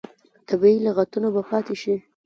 طبیعي لغتونه به پاتې شي.